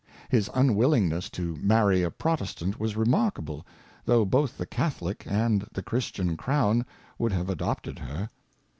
His unwillingness to marry a Protestant was remarkable, though both the Catholick and the Christian Crown would have adopted her.